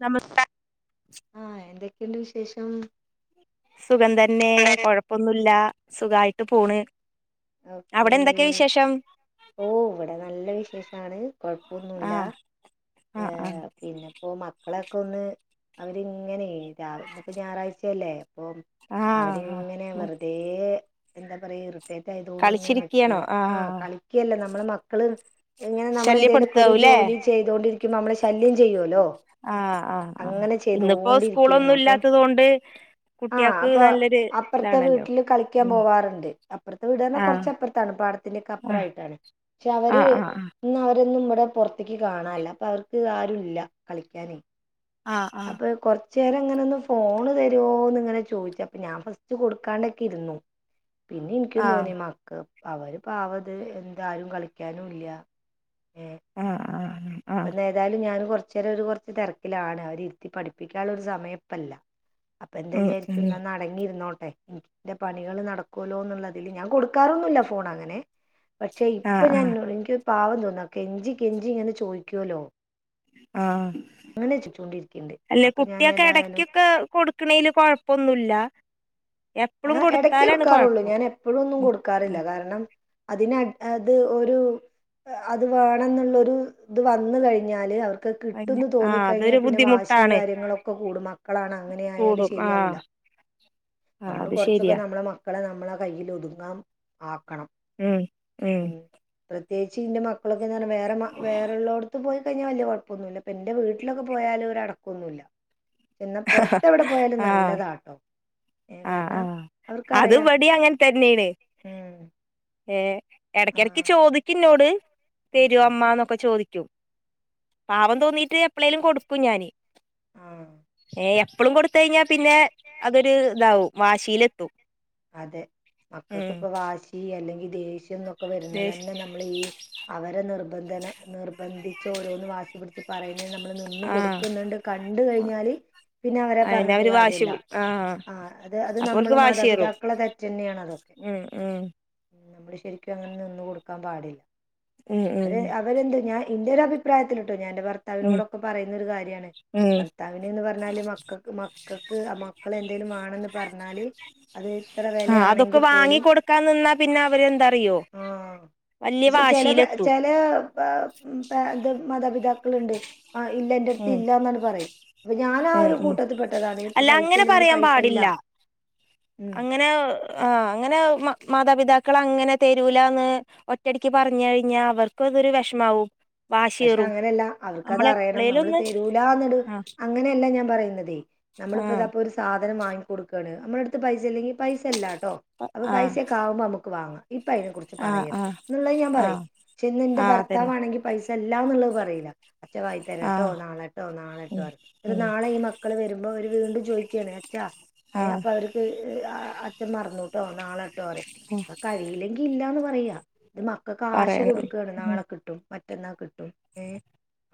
നമ എന്തൊക്കെണ്ട് വിശേഷം സുഖം തന്നെ കൊഴപ്പൊന്നുമില്ല സുഖായിട്ട് പോണ് ഓക്കേ അവിടെ എന്തൊക്കെ വിശേഷം ഓ ഇവിടെ നല്ല വിശേഷാണ് കുഴപ്പൊന്നല്ല ആഹ് ആഹ് ഏർ ആഹ് പിന്നെപ്പോൊ മക്കളൊക്കെ ഒന്ന് അവരിങ്ങനെ രാവ ഇപ്പോ ഞായറാഴ്ചയല്ലേ അപ്പൊ ആഹ് അവരിങ്ങനെ മ വെറുതെ എന്താ പറയയാ ഇറട്ട ത്ണങ്ങ കളിച്ചിരിക്കയാണോ നിക്കാണ് ആ ആഹ് കളിക്കല്ല നമ്മെ മക്കള് ഇങ്ങനെ നമ്മൾെന്തെലുമൊക്കെ ഒരു ശല്യപ്പെടുത്താവൂല്ലേ ജോലി ചെയ്തൊണ്ടിരിക്ക ക്കും നമ്മള് ശല്യം ചെയ്യുല്ലോ ആ ആ ആ ഇന്നിപ്പോ സ്കൂളൊന്നും ഇല്ലാത്തത് കൊണ്ട് ആ കുട്ടികൾക്ക് അപ്പൊ നല്ലൊരു അപ്പറത്തെ ഇതാണല്ലോ വീട്ടില് കളിക്കാൻ ഉം പോവാറുണ്ട് അപ്പുറത്തെ വീടിന്ന് ആഹ് കൊറച്ചപ്പുറത്താണ് പാടത്തിന്റെക്ക ആഹ് അപ്പറയിട്ടാണ് പക്ഷെ അവര് ആഹ് ആഹ് [unintelligible] അവരൊന്നും ഇവിടെ പുൊറത്തേക്ക് കാണല്ല അപ്പ അവർക്ക് ആരു ഇല്ല കളിക്കാനേ ആ ആ ചേരങ്ങന ഒന്ന് ഫോണ് തരുവോന്ന് ഇങ്ങനെ ചോയിച്ച് അപ്പൊ ഞാൻ ഫസ്റ്റ് കൊടുക്കാണ്ടക്കെ ഇരുന്നു പിന്നെ എനിക്കും ആഹ് ആഹ് തോന്നി മക്ക അവര് പാവത് എന്താരും കളിക്കാനും ഇല്ല്യാ ആഹ് ആഹ് അപ്പ ആഹ് ഏതാലും ഞാൻ കൊറ കൊറച്ച്‌രം അവര് പൊറത്ത് തിരക്കിലാണ് അവരിരുത്തി പഠിപ്പിക്കാനുള്ള ഒരു സമയപ്പല്ല അപ്പ എന്താ ഉം വിചാരിച്ചു ഉം [unintelligible] ങ്ങിയിരുന്നോ ഉം എന്റെ പണികള് നടക്കുല്ലോന്നുള്ളതില്ല് ഞാൻ കൊടുക്കാറൊന്നുല്ല ഫോൺ അങ്ങനെ പക്ഷെ ഇപ്പൊ ആഹ് ഞാൻ ആഹ് എന്നോ എനിക്ക് പാവം തോന്നാ കെഞ്ചി കെഞ്ചി ഇങ്ങനെ ചോ ചോയിക്കോല്ലോ ആ അല്ലെ അപ്പൊ ഞാൻ കുട്ടിയൊക്കെ ഏതായാലും ഇടക്കൊക്കെ കൊടുക്കണില്ല് കൊഴപ്പൊന്നുല്ല ആ എപ്പളും ഇടക്ക് കൊടുത്താലാണ് കൊടുക്കാറുള്ളൂ കൊഴപ്പം ഞാൻ എപ്പോഴൊന്നും ഉം ആ കൊടുക്കാറില്ല കാരണം അതിന അത് ഒരു അത് വേണംന്നുള്ളരു ഇത് വന്ന് കഴിഞ്ഞാല് അവർക്ക് ക്ക്‌ വയ്യ കിട്ടോന്ന് ആഹ് അതൊരു തോന്നിക്കഴിഞ്ഞാൽ പിന്നെ വാശി ബുദ്ധിമുട്ടാണ് കാര്യങ്ങളൊക്കെ കൂടും മക്കളാണ് അങ്ങനെ ആയാല് കൂടും ആഹ് ശരിയാവില്ല ആഹ് നമ്മള് അത് കുറച്ചൊക്കെ ശരിയാ നമ്മളെ മക്ക നമ്മളെ നമ്മളെ കൈയിലൊതുങ്ങാ ഉം ഉം ചേച്ചിന്റെ മ മക്കളൊക്കെന്നാല് വേറെ മാ വേറുള്ളോടത്ത് പോയി കഴിഞ്ഞാല് വലിയ കുഴപ്പൊന്നുല്ല ഇപ്പ എന്റെ വീട്ടിലൊക്കെ പോലും ഒരടക്കൊന്നുല്ല എന്നാ പൊറത്തെവിടെ പോയാലും ആഹ് നല്ലതാട്ടോ ഏ ആഹ് കാരണം ആഹ് അവർക്കറിയാ അതിവിടേം അങ്ങനെ തന്നെണ് ഉം ഏഹ് എടക്കെടക്ക് ആഹ് ചോദിക്കെന്നോട് തെരോ ആഹ് അമ്മ എന്നൊക്കെ ചോദി റ്റും പാവം തോന്നീട്ട് എപ്പളേലും കൊടുക്കും ഞാന് ആഹ് എ എം പ്പളും കൊടുത്തയിഞ്ഞാ പിന്നെ അതൊര് താവും വാശീലെത്തും അതെ ഉം മക്കൾക്കിപ്പ വാശീ അല്ലെങ്കി ദേശ് ന്നൊക്കെ ദേഷ് വരുന്നതെന്നെ നമ്മളീ അവരെ നിർബന്ധന നിർബന്ധി ചോരോന്ന് വാശ് പിടിച്ച് പറയണേ നമ്മള് നിന്ന് ആഹ് കൊടുക്കുന്നുണ്ട് കണ്ട് കഴിഞ്ഞാല് പിന്നെ അവരെ അയെന്നെ പറഞ്ഞിട്ട് അവര് വാശി കാര്യവില്ല പി ആഹ് ആ അത് അത് അപ്പോൽക്ക് നമ്മള് മാതാപിതാ വാശിയേറും തെറ്റെന്നെയാണതൊക്കെ ഉം ഉം നമ്മള് ശരിക്കും അങ്ങനെ നിന്നു കൊടുക്കാൻ പാടില്ല ഉം ഉം അവരെ അവരെന്ത് ഞാ ഇന്റൊരഭിപ്രായത്തിലിട്ടോ ഞാൻ എന്റെ ഉം ഭർത്താവിനോടൊക്കെ പറയുന്നൊരു കാര്യാണ് ഉം ഭർത്താവിനന്ന് പറഞ്ഞാല് മക്കക്ക് മക്കക്ക് മക്കളെന്തേലും വേണന്ന് പറഞ്ഞാല് അത് വെല ആ അതൊക്കെ ആണെങ്കി വാങ്ങി പോലും കൊടുക്കാൻ നിന്നാ പിന്നെ അവരെന്താറിയോ ആ വല്യ ശേ ചെല പ വാശിയിലെത്തും ചെല ആ പ പാത് മാതാപിതാക്കളുണ്ട്. ആ ഇല്ല എന്റെറ അടുത്ത് ഉം ഇല്ലന്നാണ് പറയും. അപ്പൊ ഞാൻ ആ ഉം ഒരു ഉം കൂട്ടത്തിൽ പെട്ടതാണ്. ഇപ്പൊ അല്ല പൈസ അങ്ങനെ ഇല്ലെങ്കിൽ പറയാൻ പാടില്ല പൈസല്ലാ? അങ്ങനെ? ആഹ് അങ്ങനെ മാതാപിതാക്കൾ അങ്ങനെ തെരുല്ലാന്ന് ഒറ്റടിക്ക് പറഞ്ഞു കഴിഞ്ഞാ അവർക്ക് അതൊരു വെഷമാവും. പക്ഷെ അങ്ങനെയല്ല അവർക്ക് അത് അറിയണം. നമ്മള് ഒന്ന് തരൂല്ലാന്ന് ട് ആ അങ്ങനെയല്ല ഞാൻ പറയുന്നതെ. ആ നമ്മളിപ്പതാ പ്പൊരു സാ അന്നേരം വാങ്ങി കൊടുക്കാണ് നമ്മളട്ത്ത് പൈസ ഇല്ലെങ്കിൽ പൈസല്ലാട്ടോ അപ്പം ആ പൈസൊക്കെ ആവുമ്പോൾ നമുക്ക് വാങ്ങാം. ഇപ്പൊ അയിനെ കുറ്ച്ച് ആ ആ പറയരുത് എന്ന്ള്ളത് ഞാൻ ആ പറയും പക്ഷെ ഇന്ന് ഇന്റെ ആ അതന്നെ ഭർത്താവാണെങ്കിൽ പൈസ എല്ലാന്ന്ള്ളേ പറീലാ അഛൻ ആ വാങ്ങിത്തരാട്ടോ നാളെട്ടോ ഉം നാളെട്ടോറിം ഇന്നട്ട് ഉം നാളെ ഈ മക്കള് വരുമ്പോ ഒരു വീണ്ടും ചോയിക്കാണ് അച്ചാ ആ ഏ അപ്പൊ അവർക്ക് അച്ഛൻ മറന്നൂട്ടോ നാളെ ട്ടോറിം അത്ഴിയില്ലെങ്കി ഇല്ലാന്ന് പറ വെയ്യാ ഇത് മക്കക്കാശ പറയണം കൊടുക്കാണ് ഉം നാളെ കിട്ടും മ റ്റന്നാ കിട്ടും ഏഹ്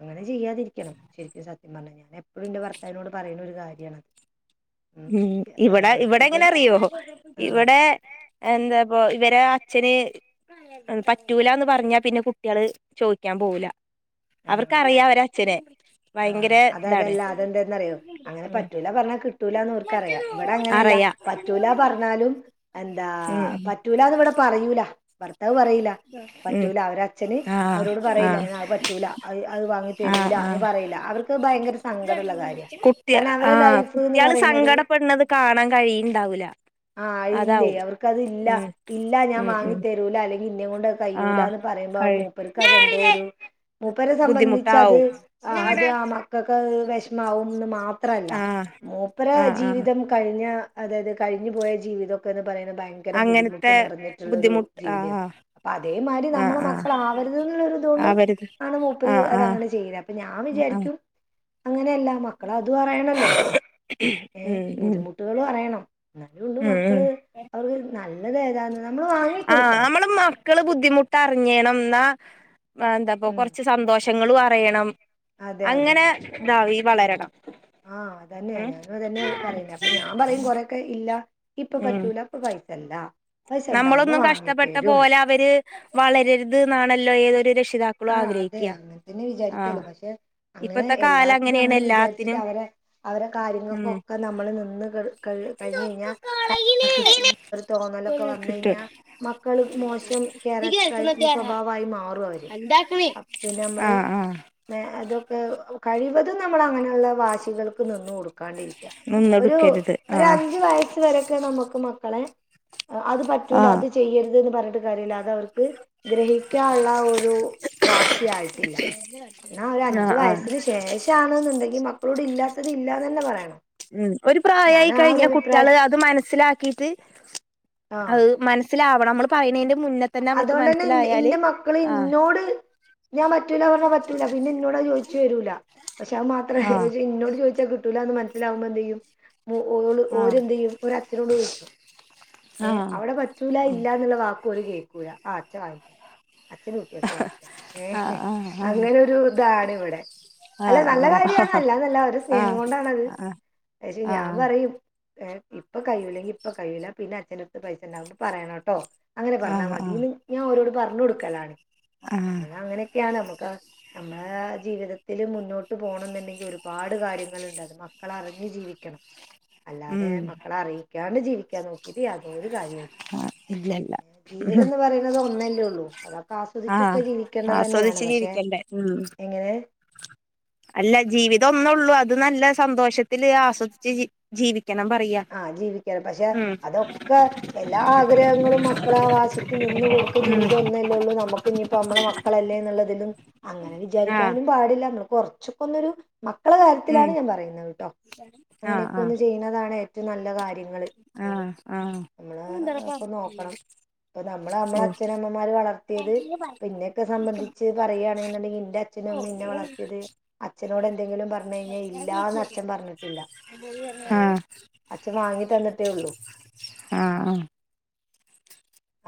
അങ്ങനെ ചെയ്യാതിരിക്കണം ശരിക്കും സത്യം പറഞ്ഞഴിഞ്ഞാൽ. എപ്പഴുന്റെ ഭർത്താവിനോട് പറയുന്ന ഒരു കാര്യണത്. ഉം ഏഹ് ഇവിടെ അവർക്കിപ്പം ഇവിടെങ്ങനറിയോ ആഹ് ഇവിടെ എന്ത പ്പൊ ഇവരെ അച്ഛന് പറ്റൂലാന്ന് പറഞ്ഞാ പിന്നെ കുട്ടികള് ചോദിക്കാൻ പോവൂല. ആഹ് അവർക്കറിയ അവരച്ഛനെ. ആഹ് അതതല്ല അതെന്തെന്നറിയോ അങ്ങനെ ഉം പറ്റൂല പറഞ്ഞാ കിട്ടൂ ക്കറയ ഇവടെങ്ങനെല്ല അറിയാ പറ്റൂലാ പറഞ്ഞാലും എന്താ ഉം പറ്റൂലാന്ന് ഇവടെ പറയൂല. പർ ഇട്ടത് പറീല ഉം പറ്റൂലാ അവരച്ഛന് ആഹ് അവരോട് പറയ്‌ലേ ആഹ് അത് പറ്റൂല അത് അത് വാങ്ങി ആഹ് തരൂല ആഹ് അവർക്ക് ഭയങ്കര സങ്കടള്ള കാര്യാ കുട്ടി കാർണ അവരെ ആഹ് ലൈഫ് ന്ന്‌ കുട്ടികള് പറയ്ണത് സങ്കടപ്പെടുന്നത് കാണാൻ കഴിയുണ്ടാവൂല ആഹ് ഇല്ലേ അതാവും അവർക്കതില്ല ഉം ഇല്ല ഞാൻ ഉം ഉം വാങ്ങിത്തരൂല ഇന്നേങ്കൊണ്ട് അത് ആഹ് കയ്യൂലാന്ന് പറയുമ്പത് കഴി മൂപ്പർക്കതെന്തോരു മൂപ്പരെ സംബന്ധിച്ച് അത് ബുദ്ധിമുട്ടാവും ഉം ആഹ് അത് ആ മക്കക്ക അത് വെഷമാവുംന്ന് മാ ത്രല്ല ആഹ് മൂപ്പരെ ആഹ് ആഹ് ജീവിതം കഴിഞ്ഞാ അതായത് കഴിഞ്ഞ് പോയ ജീവിതൊക്കെന്ന്‌ പറയാണെ ഭയങ്കര ബുദ്ധിമുട്ട് അങ്ങനത്തെ നറഞ്ഞിട്ടുള്ളൊരു ബുദ്ധിമുട്ട് ജീവിതേന്നു. ആഹ് അപ്പ അതേമാരി ആഹ് നമ്മള ആഹ് മക്കളാവര്ത് ന്ന്ള്ളൊര്തോണ്ട് അവരുത് ആണ് മൂപ്പര് ആഹ് ആഹ് അതങ്ങനെ ചെയ്യ്നെ. ഞാൻ ആഹ് വിചാരിക്കും അങ്ങനെയല്ല മക്കളതുറയണല്ലോ ഏഹ് ഉം ഉം ബുദ്ധിമുട്ടുകളൊറിയണം. എന്നാലുണ്ട് ഉം ഉം മക്കള് അവർക്ക് നല്ല നല്ലതേതാന്ന് നമ്മള് വാങ്ങി കൊടുക്കണം. ക്കള് ബുദ്ധിമുട്ടറിഞ്ഞേണം ന്നാ ആ ന്തപ്പ ഉം കൊറച്ച് സന്തോഷം റ്റങ്ങളു അറിയണം അതെ അതെ അങ്ങനെ ഇതാവെ വളരണം. ആ അതന്നെയാ ഉം ഞാനുവതന്നെയാ പറയണെ അപ്പ ഞാൻ പറയും കൊറെക്കെ ഇല്ല ഇപ്പ ഉം പറ്റൂല പ്പ പയറ്റെണ്ട. നമ്മളൊന്നും കഷ്ടപ്പെട്ട പോലെ അവര് വളരരുത് ന്നാണല്ലോ ഏതൊരു രക്ഷിതാക്കളും ആ അതെ ആഗ്രഹിക്കുക അങ്ങനെ തന്നെ ആഹ് വിചാരിക്കുള്ളൂ പക്ഷെ അങ്ങനെ ഇപ്പത്തെ കാലം എല്ലാത്തിനും അങ്ങനെയാണ് അങ്ങനെ വിചാരിച്ചിട്ട് എല്ലാത്തിനും അവരെ അവരെ ഉം കാര്യങ്ങൾക്കൊക്കെ നമ്മള് നിന്ന് ക ക കഴിഞ്ഞ് കഴിഞ്ഞാ തോന്നല ക്കെ വന്ന് കിട്ടും കഴിഞ്ഞാൽ മക്കള് മോശം ക്യാരക്ടറായി സ്വഭാവമായി മാറും അവര് പിന്നെ നമ്മള് ആഹ് ആഹ് എ അതൊക്കെ കഴിവതും നമ്മൾ അങ്ങനെയുള്ള വാശികൾക്ക് നിന്ന് കൊടുക്കും കാണ്ടിരിക്ക ഒരു നിന്നൊടുക്കരുത് ഒര ആഹ് അഞ്ച് വയസ് വരൊക്കെ നമുക്ക് നോ ക്കളെ അത് പറ്റൂല ആഹ് അത് ചെയ്യരുത് എന്ന് പറയ ട്ട് കാര്യല്ല അത് അവർക്ക് ഗ്രഹിക്കാനുള്ള ഒരു പ്രാപ്തിയായിട്ടില്ല എന്നാ ഒരു അഞ്ചു ആഹ് ആഹ് വയസ്സിന് ശേഷാണ്ന്ന്‌ ണ്ടെങ്കിൽ മക്കളോട് ഇല്ലാത്തത് ഇല്ലാന്ന് തന്നെ പറയണം ഉം ഒരു ഞാൻ പ്രായമായി ആ കഴിഞ്ഞ ഒരു അഭിപ്രായ കുട്ടികള് അത് മനസ്സിലാക്കിട്ട് അത് മന സ്സിലാവണം നമ്മ പറയുന്നതിൻ്റെ അതോണ്ട് തന്നെ ന്റെ ഇന്റെ മക്കള് ആഹ് ഇന്നോട് ഞാൻ പറ്റൂല പറഞ്ഞാ പറ്റൂല പിന്നെ ഇന്നോടത് ചോദിച്ചു വരൂല പക്ഷെ അത് മാത്ര ആഹ് പക്ഷ ഇന്നോട് ചോദിച്ചാൽ കിട്ടൂലാന്ന് മന അലാവുമ്പ എന്തെയ്യും വോ ഓല് ഓര് ആഹ് എന്ത് ചെയ്യും ഒരച്ഛനോട് ചോദിക്കും ഏ ആഹ് അവിടെ പറ്റൂല ഇല്ല എന്നുള്ള വാക്ക് ഓര് കേ ക്കൂല ആഹ് അച്ചൻ വാങ്ങിത്തര അച്ഛനും കുട്ടിയൊക്കെ വാണം ഏഹ് ആഹ് ആഹ് അങ്ങനൊരു താണ് ഇവിടെ അല്ല നല്ല ആഹ് കാര്യാണ് അല്ലാന്നല്ല ഒരു ആഹ് സ്നേഹം ആഹ് കൊണ്ടാണത് ആഹ് പക്ഷെ ഞാൻ ആഹ് പറയും ഏ ഇപ്പൊ കഴിയൂല്ലെങ്കി ഇപ്പൊ കഴിയൂല്ല പിന്നെ അച്ഛനടുത്ത് പൈസണ്ടാകുമ്പോ പറയണം ട്ടോ അങ്ങനെ പറഞ്ഞാൽ ആഹ് മതി ആഹ് തിൽന്ന് ഞാ ഓരോട് പറഞ്ഞ് കൊടുക്കലാണ് ആഹ് ഇന്ന അങ്ങനെയൊക്കെയാണ് നമ്മക്ക് ആ നമ്മളെ ജീവിതത്തില് മുന്നോട്ട് പോണം എന്നുണ്ടെങ്കിൽ ഒരുപാട് കാര്യങ്ങളുണ്ട് അത് മക്കള അറിഞ്ഞ് ജീവിക്കണം അല്ലാതെ ഉം മക്കളെ അറിയി ക്കാണ്ട് ജീവിക്കാൻ നോക്കിയിട്ട് യാ ഒരു കാര്യൊല്ല ഇല്ലല്ല ജി ഇതെന്ന് പറയുന്നത് ഒന്നല്ലേ ഉള്ളൂ അതൊക്കെ ആഹ് ആസ്വദിച്ചൊക്കെ ജീവിക്കേണ്ടത് തന്നെയാണ് ആസ്വദിച്ച് പക്ഷെ ജീവിക്കണ്ടേ ഉം എങ്ങനെ അല്ല ജീവിതം ഒന്നള്ളൂ അത് നല്ല സന്തോഷത്തിൽ ആസ്വദിച്ച് ജീവിക്ക ആഹ ജീവിക്കാന പക്ഷെ അതൊക്കെ എല്ലാ ആഗ്രഹങ്ങളും മക്കള ആ വാശിക്ക് നിന്ന് കൊടുക്ക ഉം ജീവിതം ഒന്നല്ലേള്ളൂ നമ്മുക്ക് ഇനിയിപ്പോ നമ്മളെ മക്കളല്ലേ എന്നുള്ളതിലും [unintelligible] അങ്ങനെ ആഹ് വിചാരിക്കാനും പാടില്ല നമ്മ കൊറച്ചക്കന്നൊരു മക്കള ഉം കാര്യത്തിലാണ് ഞാൻ പറയുന്നത് കേട്ടോ ആഹ് അങ്ങനെയൊക്കെ ഒന്ന് ആഹ് ചെയ്യണതാണ്ഏ നല്ല കാര്യം ക ആഹ് ആഹ് നമ്മള് ഒക്കെ നോക്കണം ഇപ്പ നമ്മള് നമ്മള ഓഹ് അച്ഛനമ്മമാര് വളർത്തിയത് ഇപ്പ ഇന്നെൊക്കെ സംബന്ധിച്ച് പറയയാണെെന്നുണ്ടെങ്കിൽ ഇന്റെ അച്ഛനും അമ്മ ഇന്നെ വളർത്തിയത് അച്ഛനോട് എന്തെങ്കിലും പറഞ്ഞു കഴിഞ്ഞാൽ ഇല്ലന്ന് അച്ഛൻ പറഞ്ഞിട്ടില്ല ഏ അച്ഛ വാങ്ങി ആ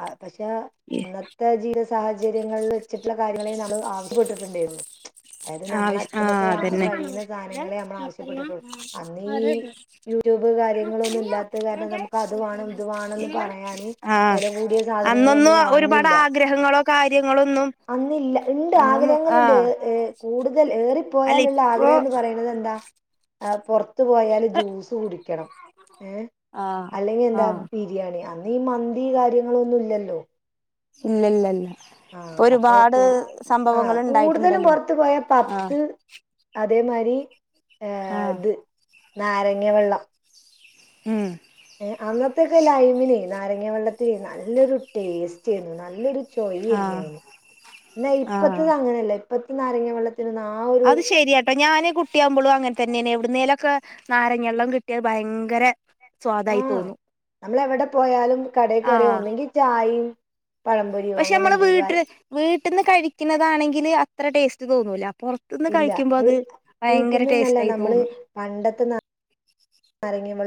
ആ പക്ഷെ ഉന്നത്തെ ജീത സാഹചര്യങ്ങളിൽ എ ചിട്ടുള്ള കാര്യങ്ങളെ നമ്മ ആവശ്യപ്പെട്ടു വണ്ടേരുന്നു അതായത് നമ്മളെ ആഹ് ആഹ് അച്ഛനൊക്കെ വാങ്ങൻ അതന്നെ കഴിയുന്ന സാധനങ്ങളേ നമ്മൾ ആവശ്യപ്പെട്ടിട്ടുള്ളു അന്ന് ഈ യൂട്യൂബ് കാര്യങ്ങളൊന്നും ഇല്ലാത്ത കാരണം നമുക്ക് അത് വേണം ഇതു വേണംന്ന് പറയാാന് ആ അന്നൊന്ന് ഒരുപാട് ആഗ്രഹങ്ങളോ കാര്യങ്ങളൊന്നും അന്നില്ല ഉണ്ട് അന്നൊന്നും ആഗ്രഹങ്ങളൾുണ്ട് ആഹ് ഏ കൂടുത കൂടുതൽ അല്ല ഏറിപ്പോയാലുള്ള ഇപ്പൊ ആഗ്രഹംമന്ന് പറയണുന്നത് എെന്താ ആ പുറത്ത് ത്ത് പോയാൽ ജ്യൂസ് കുടിക്കണം ഏ ആഹ് അല്ലെങ്കിൽ എന്താ ആഹ് ബിരിയാണി നീ മന്തി കാര്യങ്ങളൊന്നും ഇല്ലല്ലോ ഇല്ല ഇല്ല ഇല്ല ആ അപ്പൊ ക ആഹ കൂടുതലും ഉണ്ടായിട്ടുണ്ടല്ലോ പുറത്ത് പോയാ ആഹ് പബ്സ് അതേ മാരി ഏ ആഹ് ഇത് നാരങ്ങ വെള്ളം ഉം ഏഹ് അന്നത്തൊക്കെ ലൈമിനെ നാരങ്ങ വെള്ളത്തിൽ നല്ലൊരു ടേസ്റ്റ് ചെയ്യുന്നു നല്ലൊരു ആഹ് ചോയിരുന്നുന് എന്നാ ആഹ് ഇപ്പത്തത് അങ്ങനെയല്ല പത്തെ നാരങ്ങ വെള്ള അത് ശെരിയാട്ടോ ഞാന് കുട്ടിയാകുമ്പോളും അങ്ങനെ തന്നെയാണ് എവിടുന്നേലൊക്കെ നാരങ്ങെള്ളം കിട്ടിയാ ഭയങ്കര - ആഹ് നമ്മൾ എവിടെ പോയാലും കടയിൽ കേറിയാ ആഹ് ഒന്നെങ്കിൽ ചായയും പഴംപൊരിയോ പക്ഷെ അങ്ങനെ മ്മള് എന്തേലും ആയി വീട്ടില് വീട്ട് ട്ട്ന്ന് കഴിക്കുന്നതാണെങ്കില് അത്ര ടേസ്റ്റ് തോന്നൂല്ല പൊറത്തുന്ന് ഇല്ല കഴിക്കുമ്പോ വീ അത് ഭയങ്കര വീട്ടിൽന്നന്നല്ല ടേസ്റ്റ് ആയി നമ്മള് തോന്നും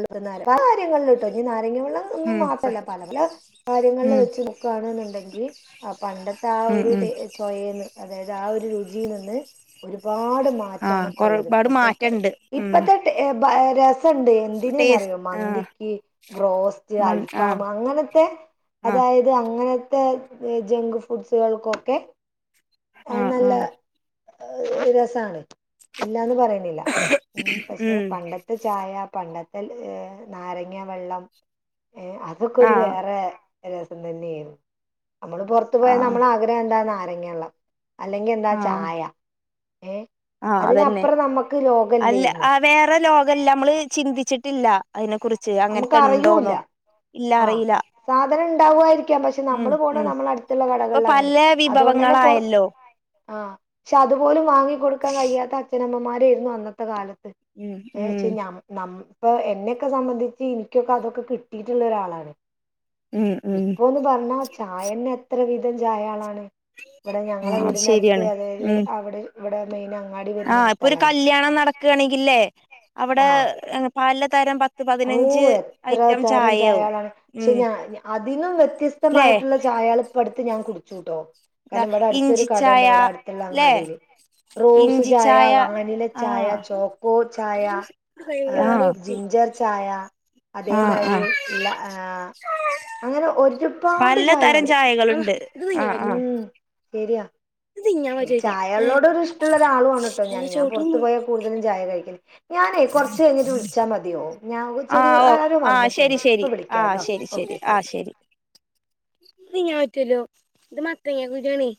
കയിട്ട [unintelligible] അങ്ങുള്ള ഒന്നും ഉം മാറ്റംല്ല്യ പല പല കാര്യങ്ങളിൽ ഉം വെച്ച് നോക്കേണെന്നുണ്ടെങ്കി ആ പണ്ടത്തെ ആ ഉം ഒരു ഉം ചൊയേൽന്ന് അതായത് ആ ഒരു രുചി നിന്ന് ഒരു ഒരുപാട് മാറ്റാണ് ആഹ് ഇപ്പ ഇള്ളത് ഒരുപാട് ഇപ്പത്തേക്ക് മാറ്റണ്ട് ഉം ഇപ്പത്തെ ടേ ബരെസ് ണ്ട് ടേസ്റ്റ് എന്തിനറിയോ ആഹ് മന്തിക്ക് ബ്രോസ്റ്റ് മൺ അൽഫാം ആഹ് അങ്ങനത്തെ ആ അതായത് അങ്ങനെ ത്തെ ജങ്ക് ഫുഡ്കൾക്കൊക്കെ ആ ആ രസാണ് ഇല്ലാന്ന് പറയണില്ല ഉം പക്ഷെ ഉം പണ്ടത്തെ ചായ പണ്ടത്തെ ലെ നാരങ്ങ വെള്ളം ഏ അതൊക്കെ ഒരു ആഹ് വേറെ രസം തന്നെയായിരുന്നു നമ്മള് പുറത്തു പോയാൽ ആഹ് നമ്മളെ ആഗ്രഹം എന്താ നാ രങ്ങ്യാള്ളം [unintelligible] അല്ലെങ്കി എന്താ ചായ ഏ ആ അതന്നെ അതിനപ്പുറം നമ്മുക്ക് അല്ല ലോകല്ലേരുന്നു വേറെ ലോകല്ല്യ നമ്മള് ചിന്തിച്ചി ഇല്ല അതിനെ കുറി നമുക്ക് അറിയൂല്ല ആഹ് അറിയില്ല സാധനം ഇണ്ടാവായിരിക്കാം പക്ഷെ ഉം നമ്മള് പോണ ഉം നമ്മള അടുത്തുള്ള ഇപ്പൊ കടകളിൽ അങ്ങനെ പല അതുകൊണ്ട് തന്നെ പറ വിഭവങ്ങളായല്ലോ ആ പക്ഷെ അതുപോലും വാങ്ങികൊടു ക്കാൻ കഴിയാത്ത അച്ഛൻ അമ്മമാര് അന്നത്തെ കാലത്ത് ഉം ഏ ഉം ശരി നമ് നമ് ഇപ്പൊ എന്നെ ഒക്കെ സംബന്ധി ച്ച് എനിക്കൊക്കെ അതൊക്കെ കിട്ടീട്ടുള്ള ഒരാളാണ് ഉം ഉം ഇപ്പൊന്ന് പറഞ്ഞാ ചായ തന്നെ എത്ര വിധം ചായാളാണ് ഇവിടെ ഞങ്ങളെ ആഹ് അത് വീടിന്റെ അടുത്ത് ശരിയാണ് അതായത് ഉം അവിടെ- ഇവിടെ മെയിനാ ആഹ് ഇപ്പൊ ഒരു കല്യാണം നടക്കുകയാണെങ്കില്ലേ അവിടെ ആഹ് പാല തരം പ ഓ എത്ര തരം ചായകളാണ് ക്ഷെ ഉം ഞ ഞാ അപ് അതിനും വെ ല്ലേ വ്യത്യസ്തമായിട്ടുള്ള ചായകള് ഇപ്പടു ത്ത് ഞാൻ കുടിച്ചൂട്ടോ ഇതാ കാരണം ഇവിടെ അടുത്തൊരു കടയുണ്ട് ഇഞ്ചിച്ചായ ഇവിടെ അടുത്തുള്ള ല്ലേ അങ്ങാടിയില് റോസ് ചായ ഇഞ്ചിച്ചായ വാനില ചായ ആഹ് ചോക്കോ ചായ ആ ജിഞ്ചർ അയാ ആഹ് അതേമാരി ആഹ് ല്ല ആ അങ്ങനെ ഒരുപാട് പലതരം ചായകള് ചായകളുണ്ട് ആഹ് ആഹ് ഉം ശരിയാ ഏ ചായകളോടൊരു ഇഷ്ടുള്ള ഒരാളുവാണ് ട്ടോ ഞാന് ഞാൻ പൊറത്തു പോയാ കൂടുതലും ചായ കഴിക്കല് ഞാനേ കുറച്ച് കഴിഞ്ഞിട്ട് വിളിച്ചാ മതിയോ ഞാങ ചെറിയ ഒ ആഹ് ഓ ആരോ ആഹ് ശരി വന്നിട്ടുണ്ട് ഇപ്പൊ ശരി ആഹ് വിളിക്കാട്ടോ ഓക്കെ ശരി നീങ്ങാൻ പറ്റൂല്ലോ ഇത് മത്തങ്ങ കുരുവാണേ